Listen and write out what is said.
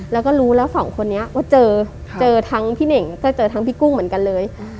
แล้วก็รู้แล้วสองคนนี้ว่าเจอเจอทั้งพี่เน่งก็เจอทั้งพี่กุ้งเหมือนกันเลย